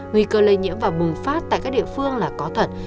nguy cơ lây nhiễm và bùng phát tại các địa phương là có thật